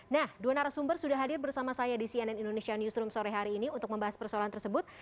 nah dua narasumber sudah hadir bersama saya di cnn indonesia newsroom sore hari ini untuk membahas persoalan tersebut